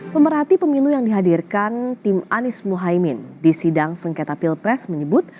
pemerhati pemilu yang dihadirkan tim anies muhaymin di sidang sengketa pilpres menyebut